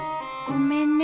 ごめんね